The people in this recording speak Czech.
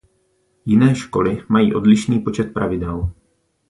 Jiné školy mají odlišný počet pravidel.